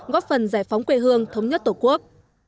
góp phần giải phóng quê hương thống nhất tổ quốc